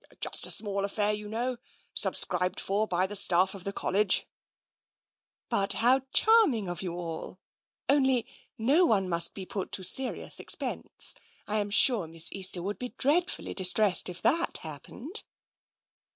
Just a small affair, you know — subscribed for by the staff of the College." 134 TENSION 135 " But how charming of you all ! Only — no one must be put to serious expense. I am sure Miss Easter would be dreadfully distressed if that hap pened."